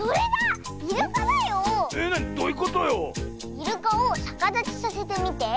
イルカをさかだちさせてみて。